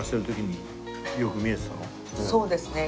そうですね。